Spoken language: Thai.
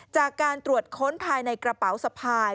จากการตรวจค้นภายในกระเป๋าสะพาย